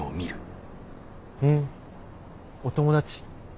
ふんお友達？